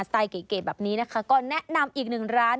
ไตล์เก๋แบบนี้นะคะก็แนะนำอีกหนึ่งร้าน